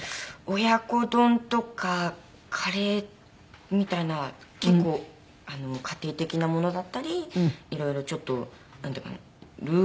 親子丼とかカレーみたいな結構家庭的なものだったり色々ちょっとなんていうのかな。